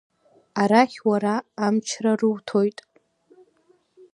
Арахь уара амчра руҭоит.